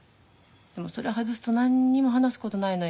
でもそれ外すと何にも話すことないのよ。